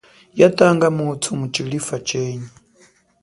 Ya tanga muthu mutshilifa chenyi.